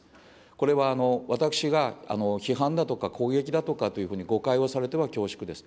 これは私が、批判だとか攻撃だとかというふうに誤解をされては恐縮です。